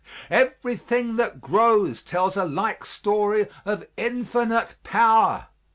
Everything that grows tells a like story of infinite power.